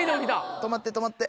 止まって止まって。